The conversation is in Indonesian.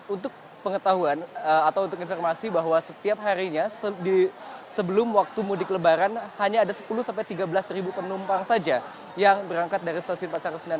untuk pengetahuan atau untuk informasi bahwa setiap harinya sebelum waktu mudik lebaran hanya ada sepuluh sampai tiga belas penumpang saja yang berangkat dari stasiun pasar senen